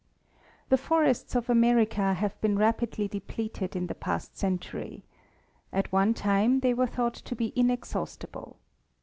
The forests of America have been rapidly depleted in the past century. At one time they were thought to be inexhaustible.